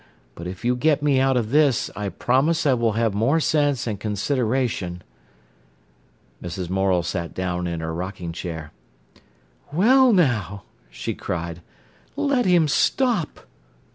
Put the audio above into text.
But if you get me out of this, I promise I will have more sense and consideration. ...'" Mrs. Morel sat down in her rocking chair. "Well, now," she cried, "let him stop!"